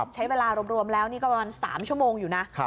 ใช้เวลารวมแล้วนี่ก็ประมาณ๓ชั่วโมงอยู่นะ